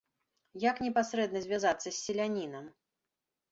Як непасрэдна звязацца з селянінам?